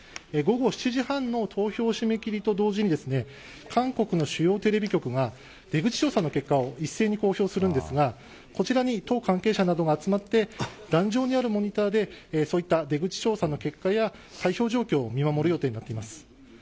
午後７時半の投票締め切りと同時に韓国の主要テレビ局が出口調査の結果を一斉に公表するんですがこちらに党関係者などが集まって壇上にあるモニターでそういった出口調査の結果や開票状況を見守る予定になっています。